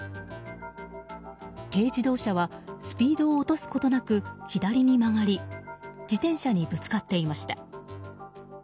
軽自動車はスピードを落とすことなく左に曲がり自転車にぶつかっていました。